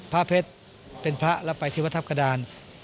พระเพชรเป็นพระแล้วไปที่วัดทัพกระดาน